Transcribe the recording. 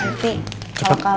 nanti kalau kalah